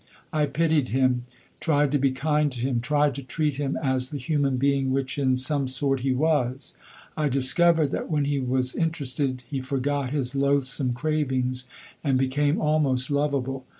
I pitied him, tried to be kind to him, tried to treat him as the human thing which in some sort he was. I discovered that when he was interested he forgot his loathsome cravings, and became almost lovable.